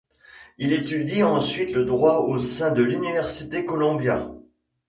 Il étudie ensuite le droit au sein de l'Université Columbia.